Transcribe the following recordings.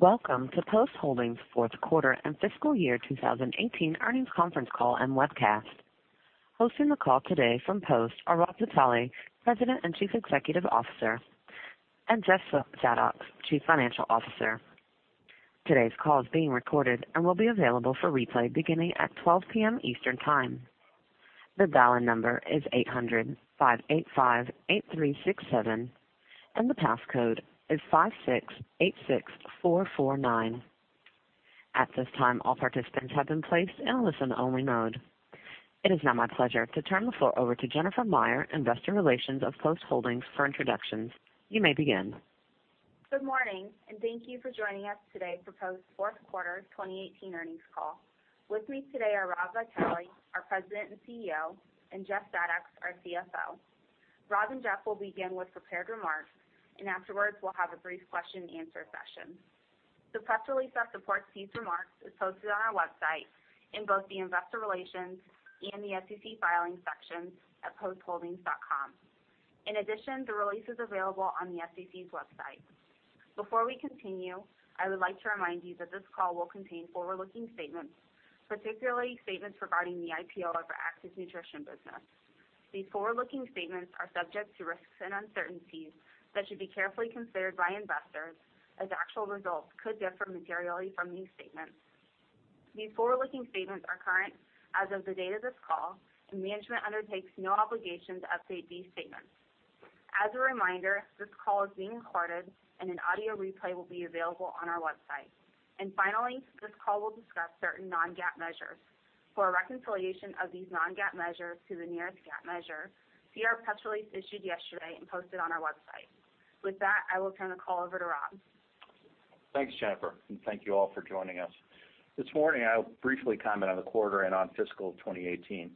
Welcome to Post Holdings' Fourth Quarter and Fiscal Year 2018 earnings conference call and webcast. Hosting the call today from Post are Rob Vitale, President and Chief Executive Officer, and Jeff Zadoks, Chief Financial Officer. Today's call is being recorded and will be available for replay beginning at 12:00 P.M. Eastern Time. The dial-in number is 800-585-8367, and the passcode is 5686449. At this time, all participants have been placed in a listen-only mode. It is now my pleasure to turn the floor over to Jennifer Meyer, Investor Relations of Post Holdings, for introductions. You may begin. Good morning. Thank you for joining us today for Post's fourth quarter 2018 earnings call. With me today are Rob Vitale, our President and CEO, and Jeff Zadoks, our CFO. Rob and Jeff will begin with prepared remarks. Afterwards, we'll have a brief question and answer session. The press release that supports these remarks is posted on our website in both the Investor Relations and the SEC Filings sections at postholdings.com. In addition, the release is available on the SEC's website. Before we continue, I would like to remind you that this call will contain forward-looking statements, particularly statements regarding the IPO of our Active Nutrition business. These forward-looking statements are subject to risks and uncertainties that should be carefully considered by investors, as actual results could differ materially from these statements. These forward-looking statements are current as of the date of this call. Management undertakes no obligation to update these statements. As a reminder, this call is being recorded. An audio replay will be available on our website. Finally, this call will discuss certain non-GAAP measures. For a reconciliation of these non-GAAP measures to the nearest GAAP measure, see our press release issued yesterday and posted on our website. With that, I will turn the call over to Rob. Thanks, Jennifer. Thank you all for joining us. This morning, I will briefly comment on the quarter and on fiscal 2018.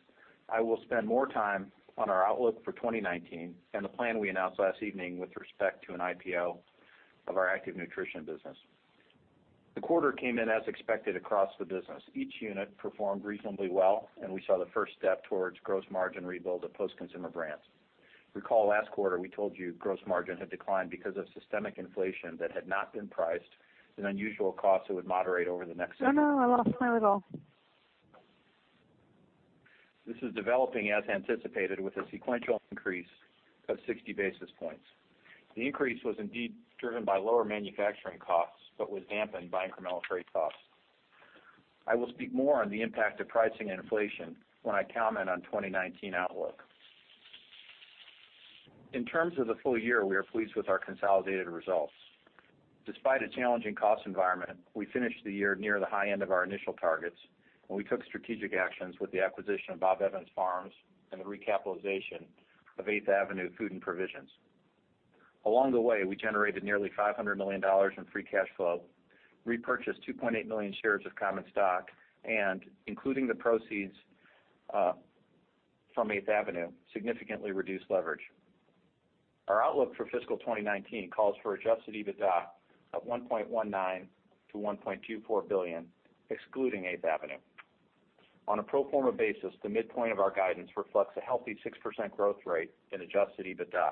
I will spend more time on our outlook for 2019 and the plan we announced last evening with respect to an IPO of our Active Nutrition business. The quarter came in as expected across the business. Each unit performed reasonably well. We saw the first step towards gross margin rebuild at Post Consumer Brands. If you recall last quarter, we told you gross margin had declined because of systemic inflation that had not been priced and unusual costs that would moderate over the next- No, I lost my level. This is developing as anticipated with a sequential increase of 60 basis points. The increase was indeed driven by lower manufacturing costs but was dampened by incremental freight costs. I will speak more on the impact of pricing and inflation when I comment on 2019 outlook. In terms of the full year, we are pleased with our consolidated results. Despite a challenging cost environment, we finished the year near the high end of our initial targets, and we took strategic actions with the acquisition of Bob Evans Farms and the recapitalization of 8th Avenue Food & Provisions. Along the way, we generated nearly $500 million in free cash flow, repurchased 2.8 million shares of common stock, and, including the proceeds from 8th Avenue, significantly reduced leverage. Our outlook for fiscal 2019 calls for adjusted EBITDA of $1.19 billion-$1.24 billion, excluding 8th Avenue. On a pro forma basis, the midpoint of our guidance reflects a healthy 6% growth rate in adjusted EBITDA.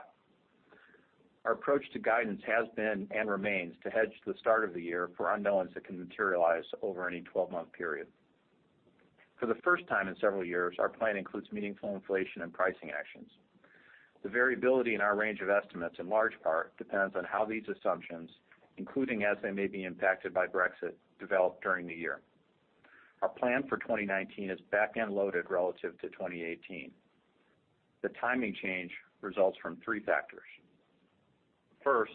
Our approach to guidance has been and remains to hedge the start of the year for unknowns that can materialize over any 12-month period. For the first time in several years, our plan includes meaningful inflation and pricing actions. The variability in our range of estimates in large part depends on how these assumptions, including as they may be impacted by Brexit, develop during the year. Our plan for 2019 is back-end loaded relative to 2018. The timing change results from three factors. First,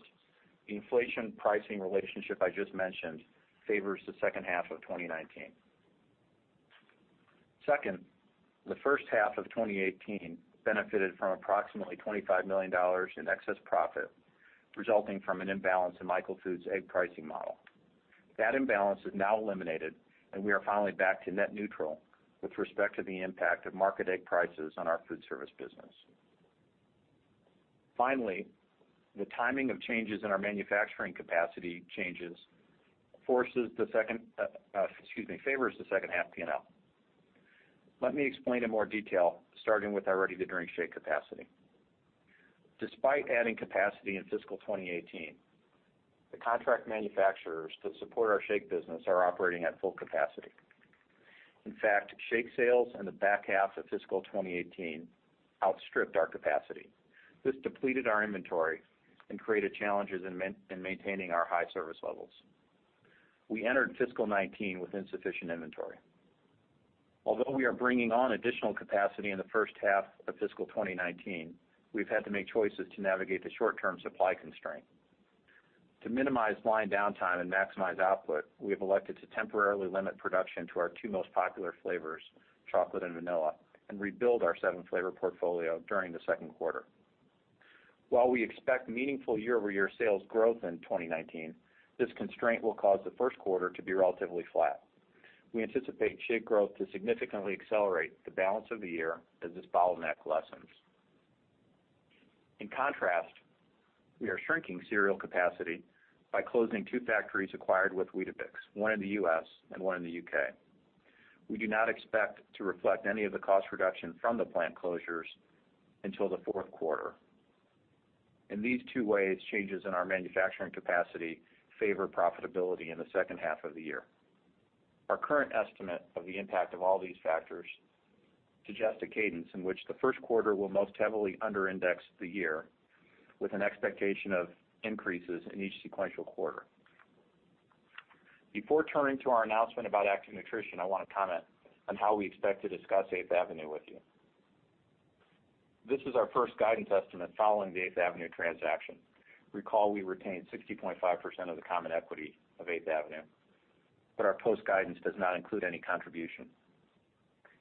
the inflation pricing relationship I just mentioned favors the second half of 2019. Second, the first half of 2018 benefited from approximately $25 million in excess profit resulting from an imbalance in Michael Foods' egg pricing model. That imbalance is now eliminated. We are finally back to net neutral with respect to the impact of market egg prices on our food service business. Finally, the timing of changes in our manufacturing capacity changes favors the second half P&L. Let me explain in more detail, starting with our ready-to-drink shake capacity. Despite adding capacity in fiscal 2018, the contract manufacturers that support our shake business are operating at full capacity. In fact, shake sales in the back half of fiscal 2018 outstripped our capacity. This depleted our inventory and created challenges in maintaining our high service levels. We entered fiscal 2019 with insufficient inventory. Although we are bringing on additional capacity in the first half of fiscal 2019, we've had to make choices to navigate the short-term supply constraint. To minimize line downtime and maximize output, we have elected to temporarily limit production to our two most popular flavors, chocolate and vanilla, and rebuild our seven-flavor portfolio during the second quarter. While we expect meaningful year-over-year sales growth in 2019, this constraint will cause the first quarter to be relatively flat. We anticipate shake growth to significantly accelerate the balance of the year as this bottleneck lessens. In contrast, we are shrinking cereal capacity by closing two factories acquired with Weetabix, one in the U.S. and one in the U.K. We do not expect to reflect any of the cost reduction from the plant closures until the fourth quarter. In these two ways, changes in our manufacturing capacity favor profitability in the second half of the year. Our current estimate of the impact of all these factors suggests a cadence in which the first quarter will most heavily under-index the year, with an expectation of increases in each sequential quarter. Before turning to our announcement about Active Nutrition, I want to comment on how we expect to discuss 8th Avenue with you. This is our first guidance estimate following the 8th Avenue transaction. Recall, we retained 60.5% of the common equity of 8th Avenue, but our Post guidance does not include any contribution.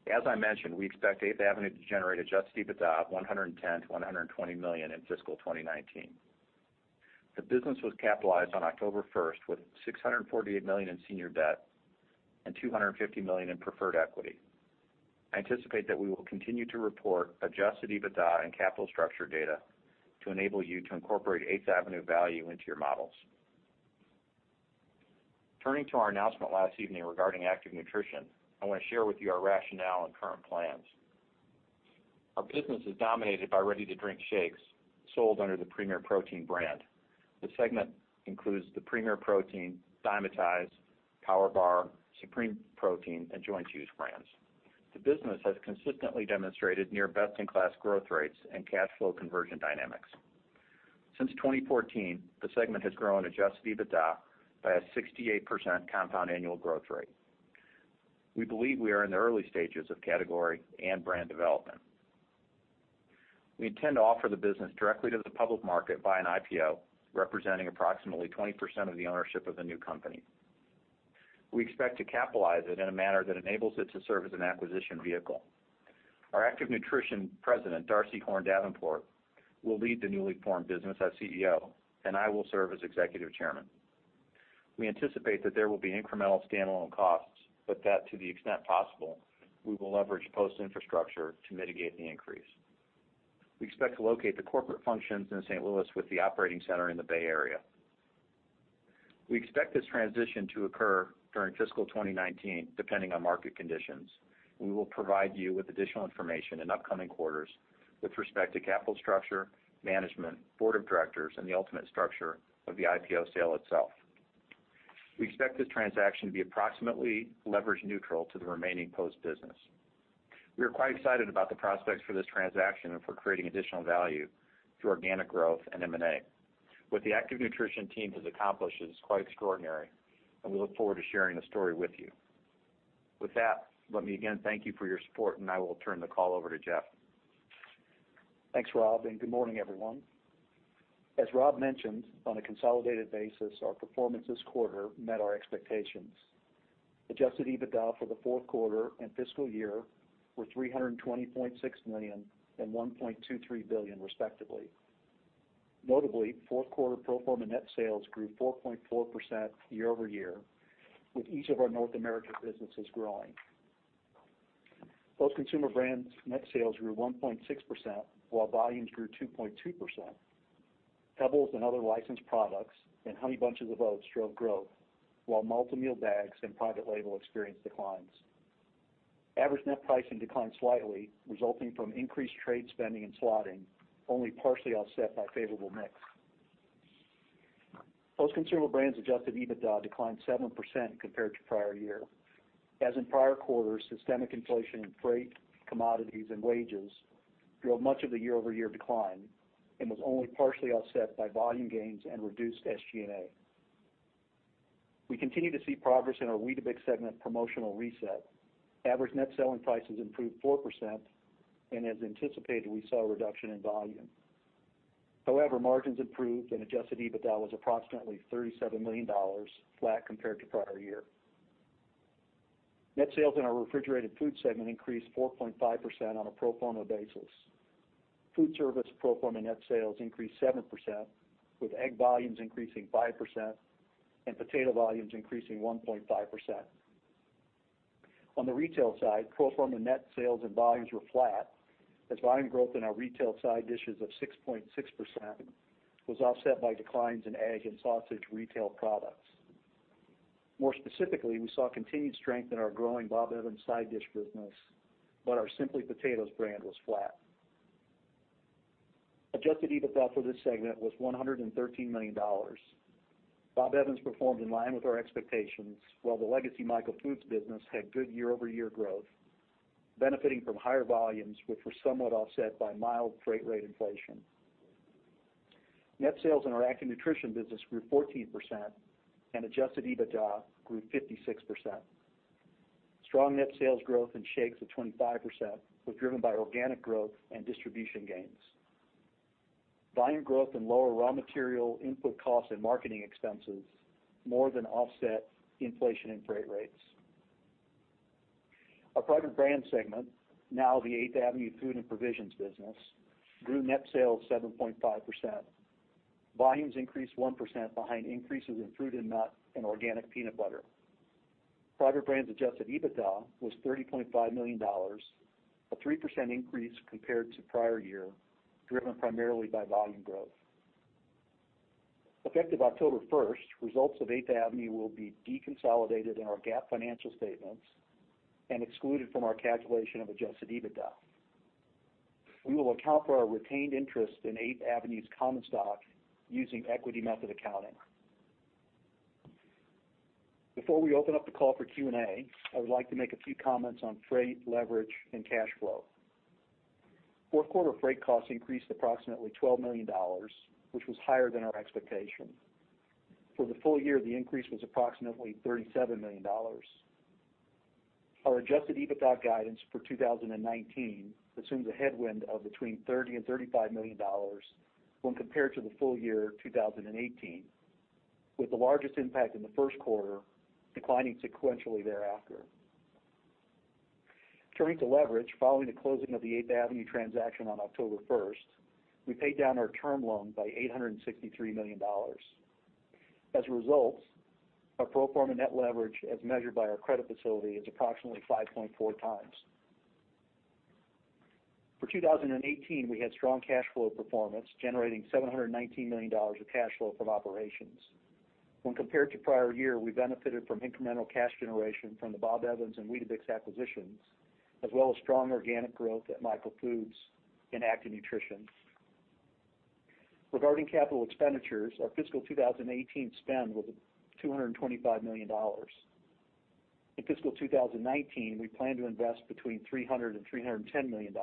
As I mentioned, we expect 8th Avenue to generate adjusted EBITDA of $110 million-$120 million in fiscal 2019. The business was capitalized on October 1st with $648 million in senior debt and $250 million in preferred equity. I anticipate that we will continue to report adjusted EBITDA and capital structure data to enable you to incorporate 8th Avenue value into your models. Turning to our announcement last evening regarding Active Nutrition, I want to share with you our rationale and current plans. Our business is dominated by ready-to-drink shakes sold under the Premier Protein brand. The segment includes the Premier Protein, Dymatize, PowerBar, Supreme Protein, and Joint Juice brands. The business has consistently demonstrated near best-in-class growth rates and cash flow conversion dynamics. Since 2014, the segment has grown adjusted EBITDA by a 68% compound annual growth rate. We believe we are in the early stages of category and brand development. We intend to offer the business directly to the public market by an IPO, representing approximately 20% of the ownership of the new company. We expect to capitalize it in a manner that enables it to serve as an acquisition vehicle. Our Active Nutrition president, Darcy Horn Davenport, will lead the newly formed business as CEO, and I will serve as executive chairman. We anticipate that there will be incremental standalone costs, but that to the extent possible, we will leverage Post infrastructure to mitigate the increase. We expect to locate the corporate functions in St. Louis with the operating center in the Bay Area. We expect this transition to occur during fiscal 2019, depending on market conditions. We will provide you with additional information in upcoming quarters with respect to capital structure, management, board of directors, and the ultimate structure of the IPO sale itself. We expect this transaction to be approximately leverage-neutral to the remaining Post business. We are quite excited about the prospects for this transaction and for creating additional value through organic growth and M&A. What the Active Nutrition team has accomplished is quite extraordinary, and we look forward to sharing the story with you. With that, let me again thank you for your support, and I will turn the call over to Jeff. Thanks, Rob. As Rob mentioned, on a consolidated basis, our performance this quarter met our expectations. Adjusted EBITDA for the fourth quarter and fiscal year were $320.6 million and $1.23 billion, respectively. Notably, fourth quarter pro forma net sales grew 4.4% year-over-year, with each of our North American businesses growing. Post Consumer Brands' net sales grew 1.6%, while volumes grew 2.2%. Pebbles and other licensed products and Honey Bunches of Oats drove growth, while multi-meal bags and private label experienced declines. Average net pricing declined slightly, resulting from increased trade spending and slotting, only partially offset by favorable mix. Post Consumer Brands' Adjusted EBITDA declined 7% compared to prior year. As in prior quarters, systemic inflation in freight, commodities, and wages drove much of the year-over-year decline and was only partially offset by volume gains and reduced SG&A. We continue to see progress in our Weetabix segment promotional reset. Average net selling prices improved 4%. As anticipated, we saw a reduction in volume. However, margins improved and Adjusted EBITDA was approximately $37 million flat compared to prior year. Net sales in our Refrigerated Food segment increased 4.5% on a pro forma basis. Foodservice pro forma net sales increased 7%, with egg volumes increasing 5% and potato volumes increasing 1.5%. On the retail side, pro forma net sales and volumes were flat as volume growth in our retail side dishes of 6.6% was offset by declines in egg and sausage retail products. More specifically, we saw continued strength in our growing Bob Evans side dish business, but our Simply Potatoes brand was flat. Adjusted EBITDA for this segment was $113 million. Bob Evans performed in line with our expectations, while the legacy Michael Foods business had good year-over-year growth, benefiting from higher volumes, which were somewhat offset by mild freight rate inflation. Net sales in our Active Nutrition business grew 14%. Adjusted EBITDA grew 56%. Strong net sales growth in shakes of 25% was driven by organic growth and distribution gains. Volume growth and lower raw material input costs and marketing expenses more than offset inflation in freight rates. Our Private Brands segment, now the 8th Avenue Food & Provisions business, grew net sales 7.5%. Volumes increased 1% behind increases in fruit and nut and organic peanut butter. Private Brands' Adjusted EBITDA was $30.5 million, a 3% increase compared to prior year, driven primarily by volume growth. Effective October 1st, results of 8th Avenue will be deconsolidated in our GAAP financial statements and excluded from our calculation of Adjusted EBITDA. We will account for our retained interest in 8th Avenue's common stock using equity method accounting. Before we open up the call for Q&A, I would like to make a few comments on freight, leverage, and cash flow. Fourth quarter freight costs increased approximately $12 million, which was higher than our expectation. For the full year, the increase was approximately $37 million. Our adjusted EBITDA guidance for 2019 assumes a headwind of between $30 million and $35 million when compared to the full year 2018, with the largest impact in the first quarter, declining sequentially thereafter. Turning to leverage, following the closing of the Eighth Avenue transaction on October 1st, we paid down our term loan by $863 million. As a result, our pro forma net leverage as measured by our credit facility is approximately 5.4x. For 2018, we had strong cash flow performance, generating $719 million of cash flow from operations. When compared to prior year, we benefited from incremental cash generation from the Bob Evans and Weetabix acquisitions, as well as strong organic growth at Michael Foods and Active Nutrition. Regarding capital expenditures, our fiscal 2018 spend was $225 million. In fiscal 2019, we plan to invest between $300 million and $310 million.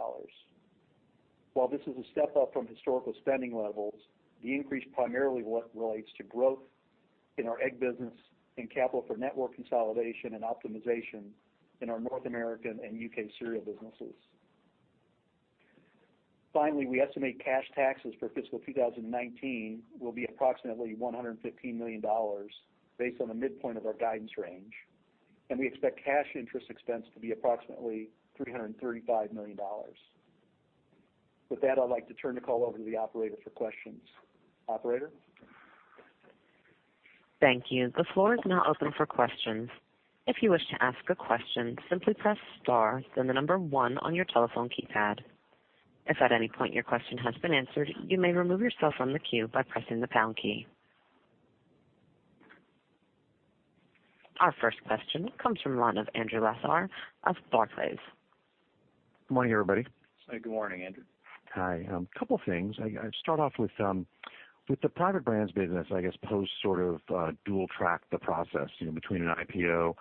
While this is a step up from historical spending levels, the increase primarily relates to growth in our egg business and capital for network consolidation and optimization in our North American and U.K. cereal businesses. Finally, we estimate cash taxes for fiscal 2019 will be approximately $115 million based on the midpoint of our guidance range, and we expect cash interest expense to be approximately $335 million. With that, I'd like to turn the call over to the operator for questions. Operator? Thank you. The floor is now open for questions. If you wish to ask a question, simply press star, then the number one on your telephone keypad. If at any point your question has been answered, you may remove yourself from the queue by pressing the pound key. Our first question comes from the line of Andrew Lazar of Barclays. Good morning, everybody. Good morning, Andrew. Hi. Couple things. I start off with the Private Brands business. I guess Post sort of dual-tracked the process between an IPO,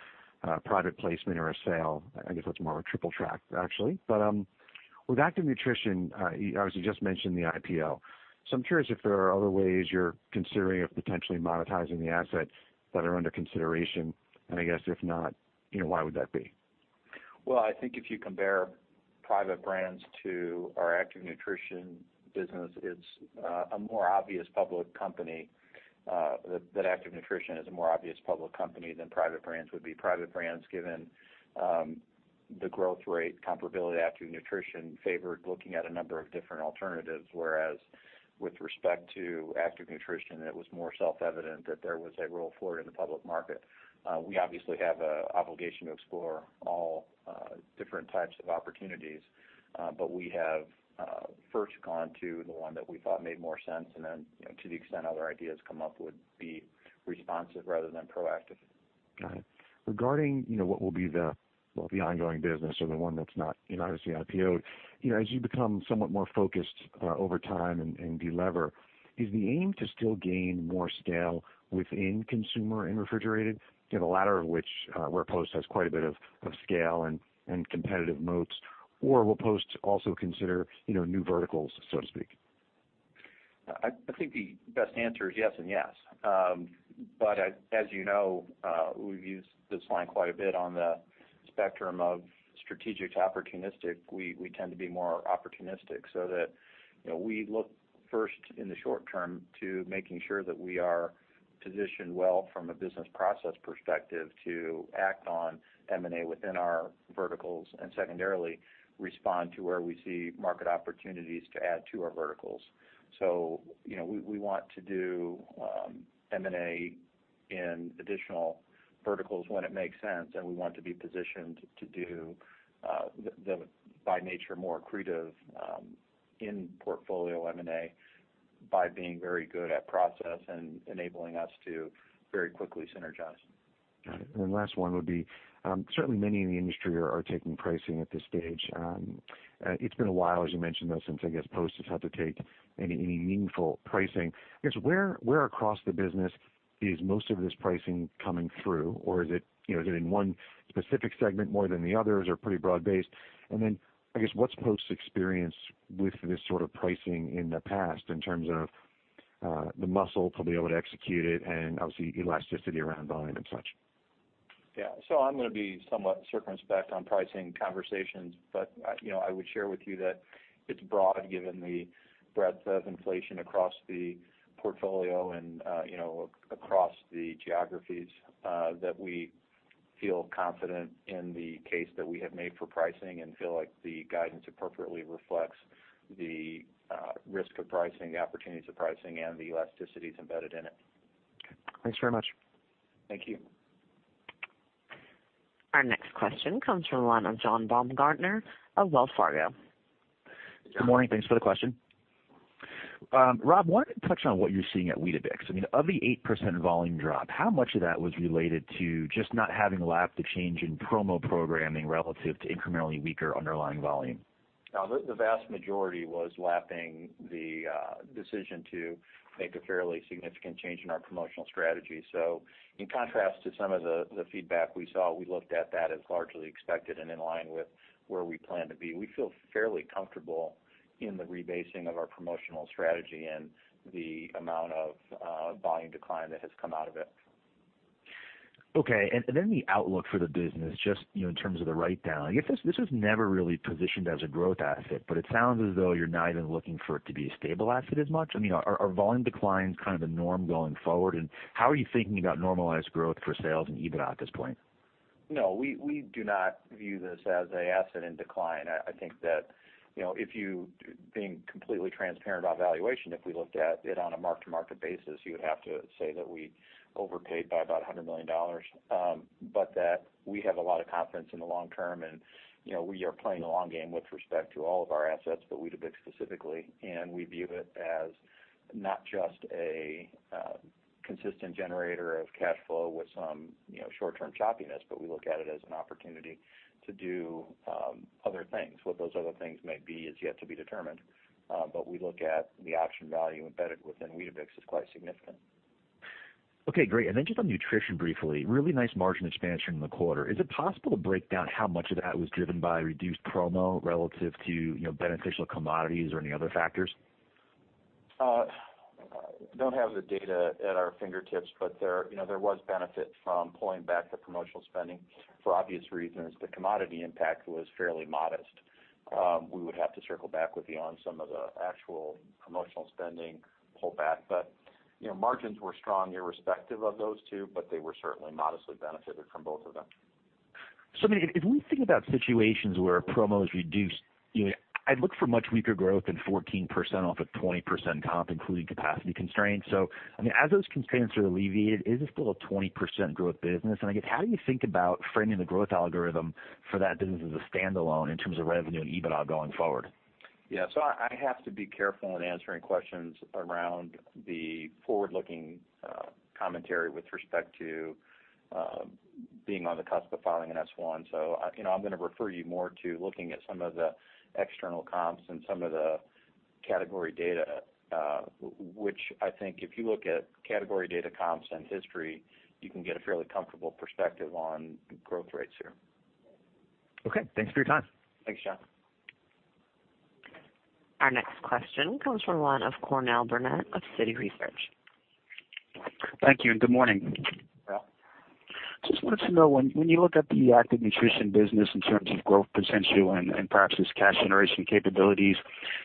a private placement, or a sale. I guess that's more of a triple track, actually. With Active Nutrition, obviously, you just mentioned the IPO. I'm curious if there are other ways you're considering of potentially monetizing the asset that are under consideration, and I guess if not, why would that be? Well, I think if you compare Private Brands to our Active Nutrition business, it's a more obvious public company, that Active Nutrition is a more obvious public company than Private Brands would be. Private Brands, given the growth rate comparability to Active Nutrition, favored looking at a number of different alternatives, whereas with respect to Active Nutrition, it was more self-evident that there was a role for it in the public market. We obviously have an obligation to explore all different types of opportunities. We have first gone to the one that we thought made more sense, and then to the extent other ideas come up, would be responsive rather than proactive. Got it. Regarding what will be the ongoing business or the one that's not obviously IPO'd, as you become somewhat more focused over time and de-lever, is the aim to still gain more scale within consumer and refrigerated, the latter of which where Post has quite a bit of scale and competitive moats, or will Post also consider new verticals, so to speak? I think the best answer is yes and yes. As you know, we've used this line quite a bit on the spectrum of strategic to opportunistic. We tend to be more opportunistic that we look first in the short term to making sure that we are positioned well from a business process perspective to act on M&A within our verticals, and secondarily, respond to where we see market opportunities to add to our verticals. We want to do M&A in additional verticals when it makes sense, and we want to be positioned to do the, by nature, more accretive in portfolio M&A by being very good at process and enabling us to very quickly synergize. Got it. Last one would be, certainly many in the industry are taking pricing at this stage. It's been a while, as you mentioned, though, since I guess Post has had to take any meaningful pricing. I guess where across the business is most of this pricing coming through, or is it in one specific segment more than the others, or pretty broad-based? I guess, what's Post's experience with this sort of pricing in the past in terms of the muscle to be able to execute it and obviously, elasticity around volume and such? Yeah. I'm going to be somewhat circumspect on pricing conversations, but I would share with you that it's broad, given the breadth of inflation across the portfolio and across the geographies, that we feel confident in the case that we have made for pricing and feel like the guidance appropriately reflects the risk of pricing, the opportunities of pricing, and the elasticities embedded in it. Okay. Thanks very much. Thank you. Our next question comes from the line of John Baumgartner of Wells Fargo. Good morning. Thanks for the question. Rob, why not touch on what you're seeing at Weetabix? Of the 8% volume drop, how much of that was related to just not having lapped the change in promo programming relative to incrementally weaker underlying volume? The vast majority was lapping the decision to make a fairly significant change in our promotional strategy. In contrast to some of the feedback we saw, we looked at that as largely expected and in line with where we plan to be. We feel fairly comfortable in the rebasing of our promotional strategy and the amount of volume decline that has come out of it. Okay. The outlook for the business, just in terms of the write-down. This was never really positioned as a growth asset, but it sounds as though you're not even looking for it to be a stable asset as much. Are volume declines kind of the norm going forward, and how are you thinking about normalized growth for sales and EBIT at this point? No, we do not view this as a asset in decline. I think that if you, being completely transparent about valuation, if we looked at it on a mark-to-market basis, you would have to say that we overpaid by about $100 million, but that we have a lot of confidence in the long term, and we are playing the long game with respect to all of our assets, but Weetabix specifically, and we view it as not just a consistent generator of cash flow with some short-term choppiness, but we look at it as an opportunity to do other things. What those other things may be is yet to be determined. We look at the option value embedded within Weetabix as quite significant. Okay, great. Just on Nutrition briefly, really nice margin expansion in the quarter. Is it possible to break down how much of that was driven by reduced promo relative to beneficial commodities or any other factors? Don't have the data at our fingertips, but there was benefit from pulling back the promotional spending for obvious reasons. The commodity impact was fairly modest. We would have to circle back with you on some of the actual promotional spending pullback. Margins were strong irrespective of those two, but they were certainly modestly benefited from both of them. If we think about situations where a promo is reduced, I'd look for much weaker growth in 14% off of 20% comp, including capacity constraints. As those constraints are alleviated, is this still a 20% growth business? I guess, how do you think about framing the growth algorithm for that business as a standalone in terms of revenue and EBITDA going forward? Yeah. I have to be careful in answering questions around the forward-looking commentary with respect to being on the cusp of filing an S-1. I'm going to refer you more to looking at some of the external comps and some of the category data, which I think if you look at category data comps and history, you can get a fairly comfortable perspective on growth rates here. Okay, thanks for your time. Thanks, John. Our next question comes from the line of Cornell Burnette of Citi Research. Thank you. Good morning. Yeah. Just wanted to know, when you look at the Active Nutrition business in terms of growth potential and perhaps its cash generation capabilities,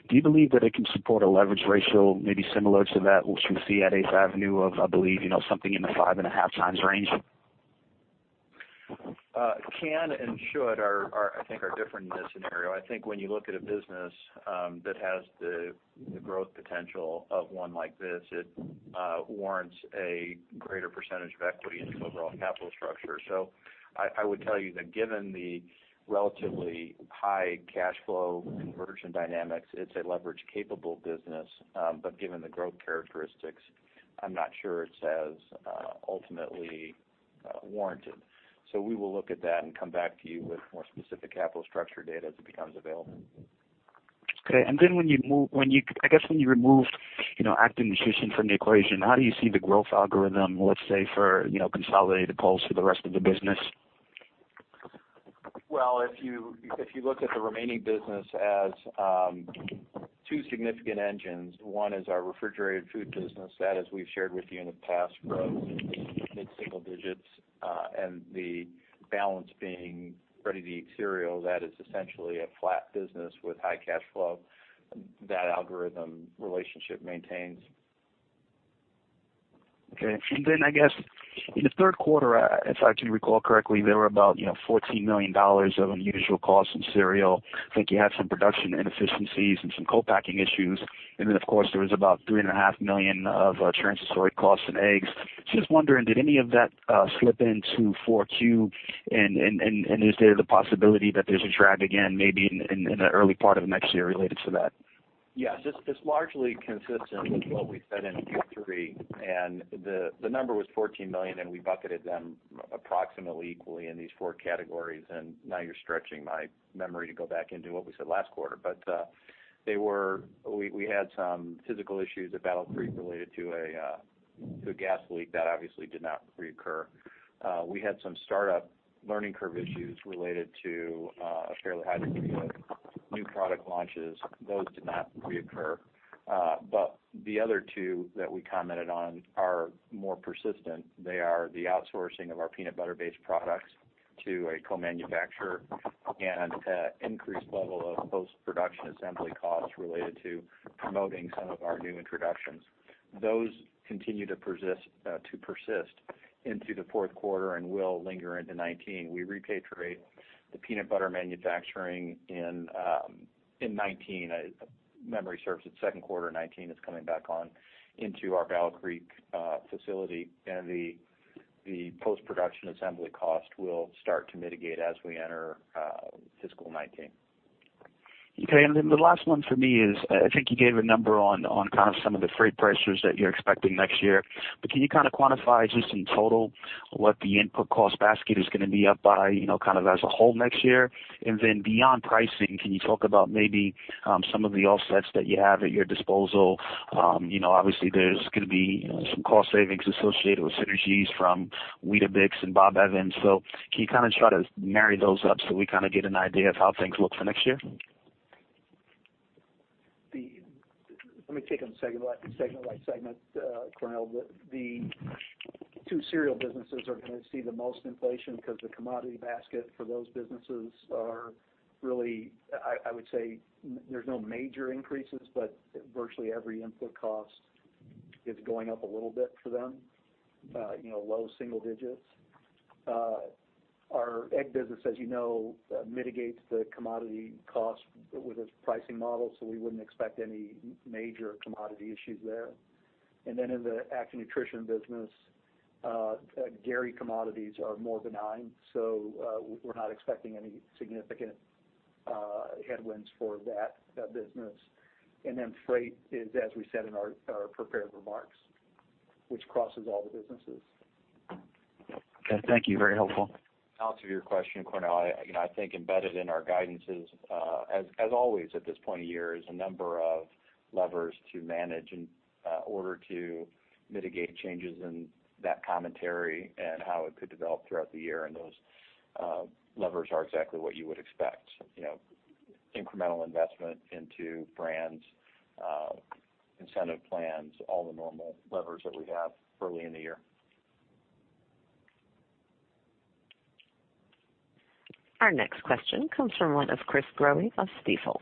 do you believe that it can support a leverage ratio maybe similar to that which we see at 8th Avenue of, I believe, something in the five and a half times range? "Can" and "should" are, I think, different in this scenario. I think when you look at a business that has the growth potential of one like this, it warrants a greater percentage of equity in the overall capital structure. I would tell you that given the relatively high cash flow conversion dynamics, it's a leverage-capable business. Given the growth characteristics, I'm not sure it's as ultimately warranted. We will look at that and come back to you with more specific capital structure data as it becomes available. Okay, when you remove Active Nutrition from the equation, how do you see the growth algorithm, let's say, for consolidated Post for the rest of the business? Well, if you look at the remaining business as two significant engines, one is our Refrigerated Food business. That, as we've shared with you in the past, grows mid-single digits, the balance being ready-to-eat cereal, that is essentially a flat business with high cash flow. That algorithm relationship maintains. Okay. I guess in the third quarter, if I can recall correctly, there were about $14 million of unusual costs in cereal. I think you had some production inefficiencies and some co-packing issues. Of course, there was about $3.5 Million dollars of transitory costs in eggs. Just wondering, did any of that slip into 4Q, is there the possibility that there's a drag again maybe in the early part of next year related to that? Yes. It's largely consistent with what we said in Q3. The number was $14 million. We bucketed them approximately equally in these four categories. Now you're stretching my memory to go back into what we said last quarter. We had some physical issues at Battle Creek related to a gas leak that obviously did not reoccur. We had some startup learning curve issues related to a fairly high degree of new product launches. Those did not reoccur. The other two that we commented on are more persistent. They are the outsourcing of our peanut butter-based products to a co-manufacturer and an increased level of post-production assembly costs related to promoting some of our new introductions. Those continue to persist into the fourth quarter and will linger into 2019. We repaid for the peanut butter manufacturing in 2019, if memory serves, its second quarter 2019 is coming back into our Battle Creek facility. The post-production assembly cost will start to mitigate as we enter fiscal 2019. Okay. The last one for me is, I think you gave a number on some of the freight prices that you're expecting next year. Can you quantify just in total what the input cost basket is going to be up by, as a whole, next year? Beyond pricing, can you talk about maybe some of the offsets that you have at your disposal? Obviously, there's going to be some cost savings associated with synergies from Weetabix and Bob Evans. Can you try to marry those up so we get an idea of how things look for next year? Let me take it segment by segment, Cornell. The two cereal businesses are going to see the most inflation because the commodity basket for those businesses is really, I would say, there's no major increases, virtually every input cost is going up a little bit for them, low single digits. Our egg business, as you know, mitigates the commodity cost with its pricing model, we wouldn't expect any major commodity issues there. In the Active Nutrition business, dairy commodities are more benign, we're not expecting any significant headwinds for that business. Freight is, as we said in our prepared remarks, which crosses all the businesses. Okay. Thank you. Very helpful. To answer your question, Cornell, I think embedded in our guidances, as always at this point of year, is a number of levers to manage in order to mitigate changes in that commentary and how it could develop throughout the year. Those levers are exactly what you would expect. Incremental investment into brands, incentive plans, all the normal levers that we have early in the year. Our next question comes from the line of Chris Growe of Stifel.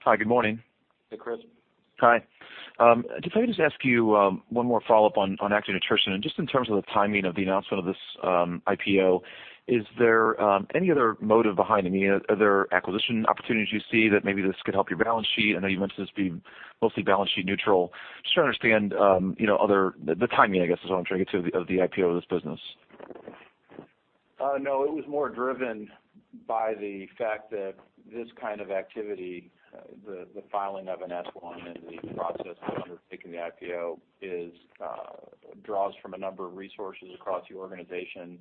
Hi, good morning. Hey, Chris. Hi. If I could just ask you one more follow-up on Active Nutrition, just in terms of the timing of the announcement of this IPO, is there any other motive behind it? Are there acquisition opportunities you see that maybe this could help your balance sheet? I know you mentioned this being mostly balance sheet neutral. Just trying to understand the timing, I guess, is what I'm trying to get to, of the IPO of this business. No, it was more driven by the fact that this kind of activity, the filing of an S-1 and the process of undertaking the IPO, draws from a number of resources across the organization.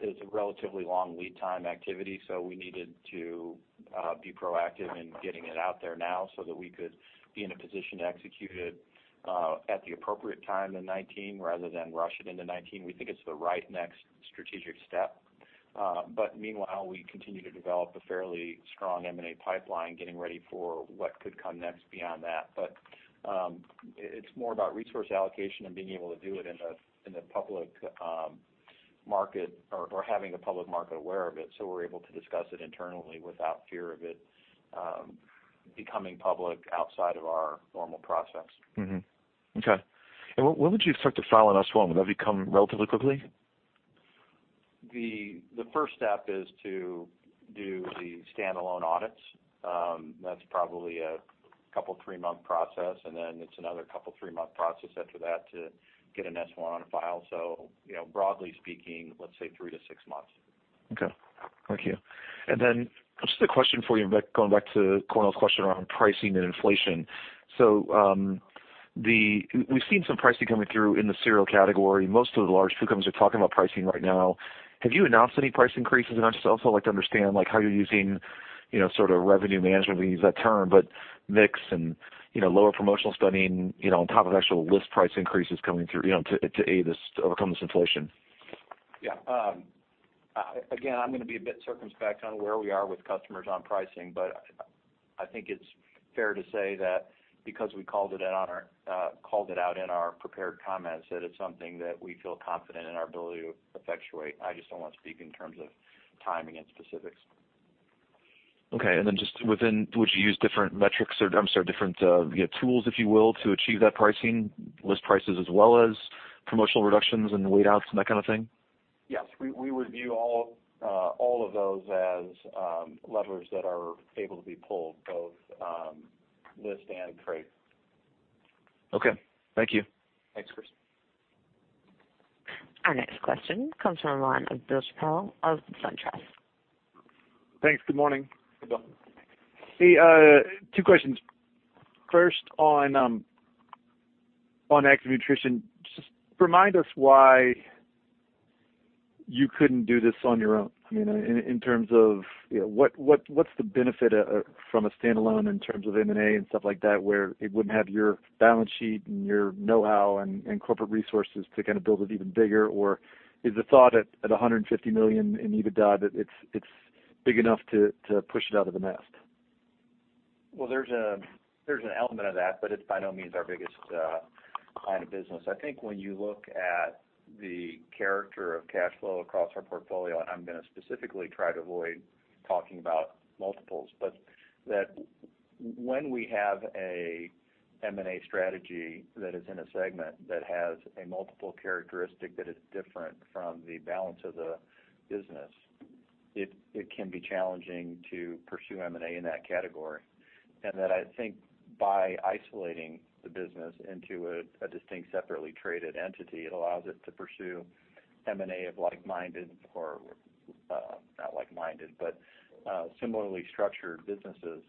It's a relatively long lead time activity, we needed to be proactive in getting it out there now so that we could be in a position to execute it at the appropriate time in 2019, rather than rush it into 2019. We think it's the right next strategic step. Meanwhile, we continue to develop a fairly strong M&A pipeline, getting ready for what could come next beyond that. It's more about resource allocation and being able to do it in the public market or having a public market aware of it, so we're able to discuss it internally without fear of it becoming public outside of our normal process. Okay. When would you expect to file an S-1? Will that be coming relatively quickly? The first step is to do the standalone audits. That's probably a couple-to-three-month process, then it's another couple-to-three-month process after that to get an S-1 on file. Broadly speaking, let's say three to six months. Okay. Thank you. Just a question for you, going back to Cornell's question around pricing and inflation. We've seen some pricing coming through in the cereal category. Most of the large food companies are talking about pricing right now. Have you announced any price increases? I'd also like to understand how you're using revenue management. We use that term, but mix and lower promotional spending, on top of actual list price increases coming through to overcome this inflation. Again, I'm going to be a bit circumspect on where we are with customers on pricing, I think it's fair to say that because we called it out in our prepared comments, that it's something that we feel confident in our ability to effectuate. I just don't want to speak in terms of timing and specifics. Okay, just within, would you use different metrics or, I'm sorry, different tools, if you will, to achieve that pricing? List prices as well as promotional reductions and weight outs and that kind of thing? Yes. We would view all of those as levers that are able to be pulled, both list and trade. Okay. Thank you. Thanks, Chris. Our next question comes from the line of Bill Chappell of SunTrust. Thanks. Good morning. Good morning. Hey, two questions. First, on Active Nutrition, just remind us why you couldn't do this on your own. In terms of what's the benefit from a standalone in terms of M&A and stuff like that, where it wouldn't have your balance sheet and your know-how and corporate resources to build it even bigger? Or is the thought at $150 million in EBITDA, that it's big enough to push it out of the nest? Well, there's an element of that, but it's by no means our biggest line of business. I think when you look at the character of cash flow across our portfolio, and I'm going to specifically try to avoid talking about multiples. When we have a M&A strategy that is in a segment that has a multiple characteristics that is different from the balance of the business, it can be challenging to pursue M&A in that category. I think by isolating the business into a distinct, separately traded entity, it allows it to pursue M&A of like-minded, or not like-minded, but similarly structured businesses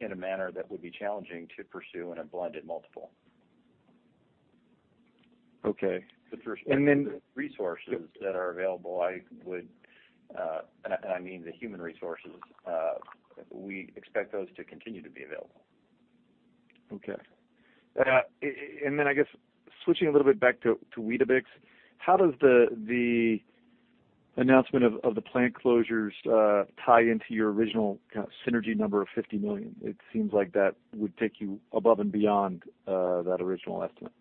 in a manner that would be challenging to pursue in a blended multiple. Okay. With respect to the resources that are available, I mean the human resources, we expect those to continue to be available. Okay. Then, I guess, switching a little bit back to Weetabix. How does the announcement of the plant closures tie into your original synergy number of $50 million? It seems like that would take you above and beyond that original estimate.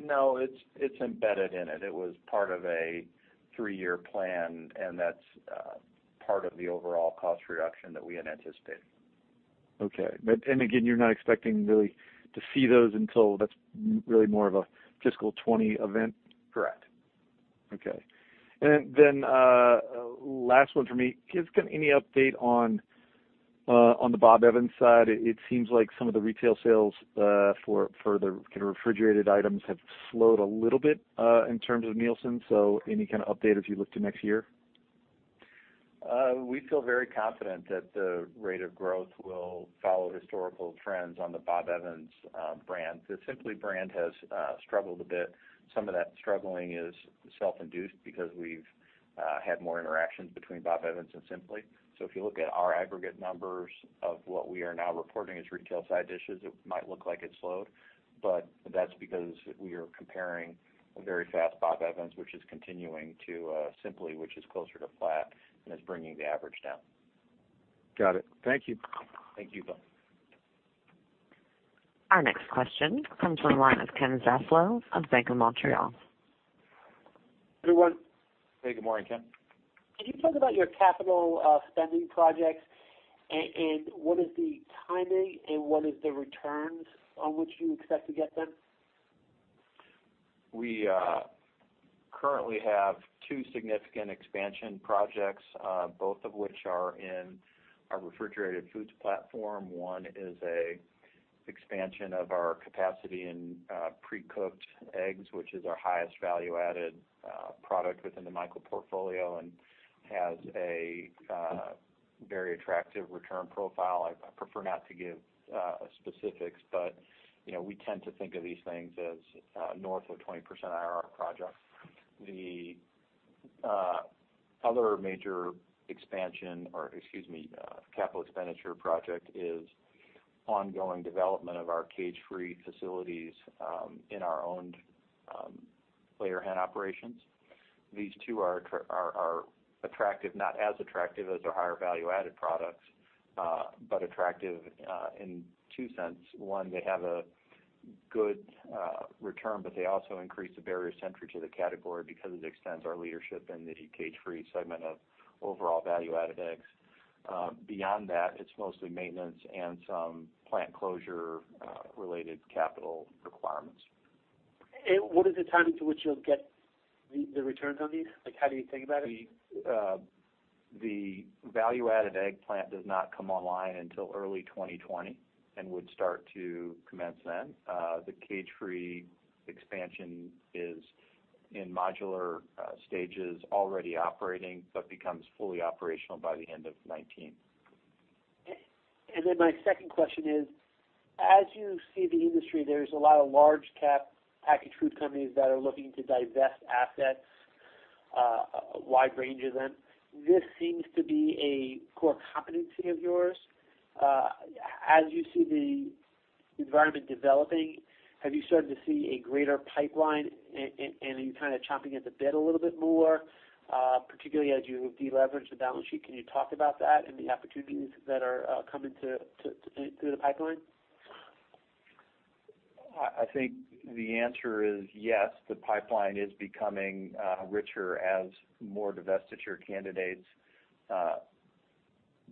No, it's embedded in it. It was part of a three-year plan, and that's part of the overall cost reduction that we had anticipated. Okay. Again, you're not expecting really to see those until that's really more of a fiscal 2020 event? Correct. Okay. Last one from me. Any update on the Bob Evans side? It seems like some of the retail sales for the refrigerated items have slowed a little bit in terms of Nielsen. Any kind of update as you look to next year? We feel very confident that the rate of growth will follow historical trends on the Bob Evans brand. The Simply Potatoes brand has struggled a bit. Some of that struggling is self-induced because we've had more interactions between Bob Evans and Simply Potatoes. If you look at our aggregate numbers of what we are now reporting as retail side dishes, it might look like it slowed, but that's because we are comparing a very fast Bob Evans, which is continuing, to Simply Potatoes, which is closer to flat and is bringing the average down. Got it. Thank you. Thank you, Bill. Our next question comes from the line of Ken Zaslow of Bank of Montreal. Everyone. Hey, good morning, Ken. Can you talk about your capital spending projects, and what is the timing, and what is the returns on which you expect to get them? We currently have two significant expansion projects, both of which are in our Refrigerated Food platform. One is a expansion of our capacity in pre-cooked eggs, which is our highest value-added product within the Michael Foods portfolio and has a very attractive return profile. I prefer not to give specifics, but we tend to think of these things as north of 20% IRR projects. The other major expansion, or excuse me, capital expenditure project is ongoing development of our cage-free facilities in our owned layer hen operations. These two are attractive, not as attractive as the higher value-added products, but attractive in two sense. One, they have a good return, but they also increase the barrier to entry to the category because it extends our leadership in the cage-free segment of overall value-added eggs. Beyond that, it's mostly maintenance and some plant closure related capital requirements. What is the timing to which you'll get the returns on these? How do you think about it? The value-added egg plant does not come online until early 2020 and would start to commence then. The cage-free expansion is in modular stages, already operating, but becomes fully operational by the end of 2019. My second question is, as you see the industry, there's a lot of large cap packaged food companies that are looking to divest assets, a wide range of them. This seems to be a core competency of yours. As you see the environment developing, have you started to see a greater pipeline, and are you kind of chomping at the bit a little bit more, particularly as you deleverage the balance sheet? Can you talk about that and the opportunities that are coming through the pipeline? I think the answer is yes. The pipeline is becoming richer as more divestiture candidates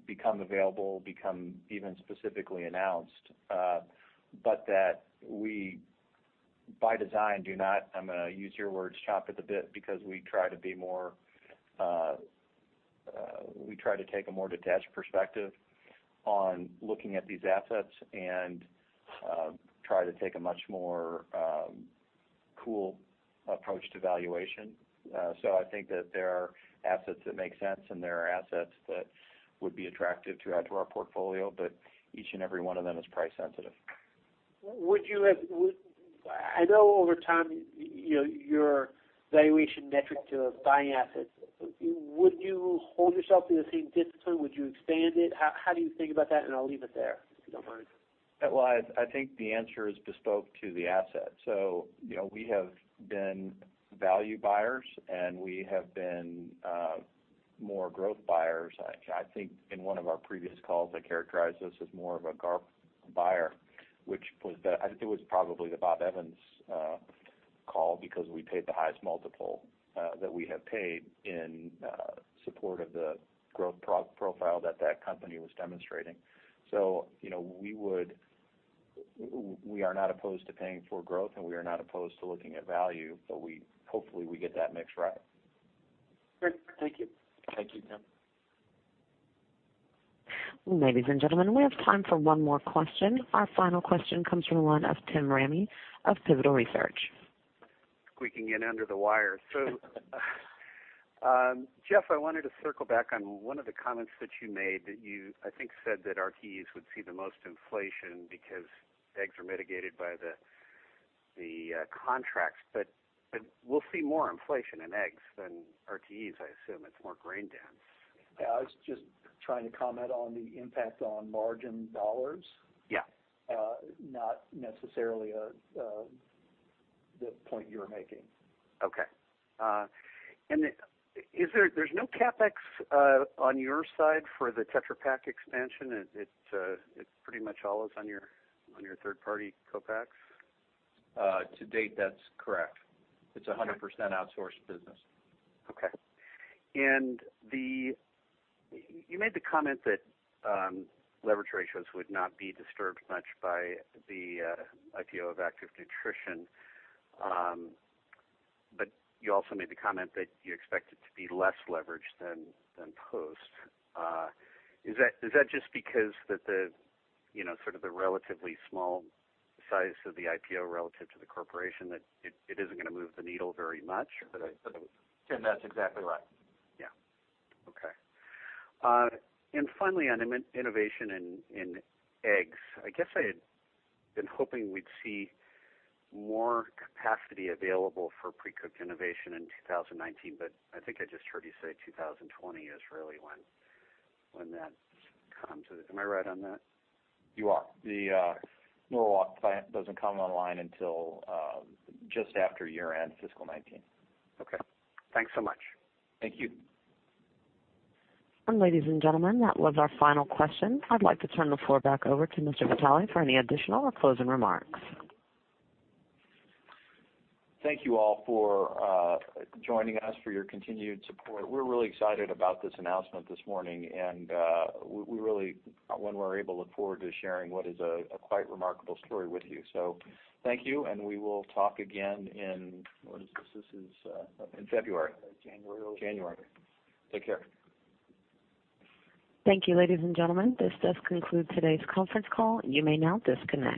become available, become even specifically announced. That we, by design, do not, I'm going to use your words, chomp at the bit because we try to take a more detached perspective on looking at these assets and try to take a much more cool approach to valuation. I think that there are assets that make sense, and there are assets that would be attractive to add to our portfolio, but each and every one of them is price sensitive. I know over time, your valuation metric to buying assets, would you hold yourself to the same discipline? Would you expand it? How do you think about that? I'll leave it there, if you don't mind. Well, I think the answer is bespoke to the asset. We have been value buyers, we have been more growth buyers. I think in one of our previous calls, I characterized us as more of a GARP buyer. It was probably the Bob Evans call because we paid the highest multiple that we have paid in support of the growth profile that that company was demonstrating. We are not opposed to paying for growth, we are not opposed to looking at value, hopefully we get that mix right. Great. Thank you. Thank you, Ken. Ladies and gentlemen, we have time for one more question. Our final question comes from the line of Tim Ramey of Pivotal Research. Squeaking in under the wire. Jeff, I wanted to circle back on one of the comments that you made, that you, I think, said that RTEs would see the most inflation because eggs are mitigated by the contracts. We'll see more inflation in eggs than RTEs, I assume. It's more grain-dense. Yeah, I was just trying to comment on the impact on margin dollars. Yeah. Not necessarily the point you're making. Okay. There's no CapEx on your side for the Tetra Pak expansion? It's pretty much all is on your third-party co-packs? To date, that's correct. Okay. It's 100% outsourced business. Okay. You made the comment that leverage ratios would not be disturbed much by the IPO of Active Nutrition. You also made the comment that you expect it to be less leveraged than Post. Is that just because the sort of the relatively small size of the IPO relative to the corporation, that it isn't going to move the needle very much? Tim, that's exactly right. Finally, on innovation in eggs, I guess I had been hoping we'd see more capacity available for pre-cooked innovation in 2019, I think I just heard you say 2020 is really when that comes. Am I right on that? You are. The Norwalk plant doesn't come online until just after year-end fiscal 2019. Okay. Thanks so much. Thank you. Ladies and gentlemen, that was our final question. I'd like to turn the floor back over to Mr. Vitale for any additional or closing remarks. Thank you all for joining us, for your continued support. We're really excited about this announcement this morning, and we really, when we're able, look forward to sharing what is a quite remarkable story with you. Thank you, and we will talk again in, what is this? This is in February. January. January. Take care. Thank you, ladies and gentlemen. This does conclude today's conference call. You may now disconnect.